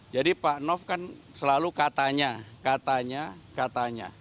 jadi pak noff kan selalu katanya katanya katanya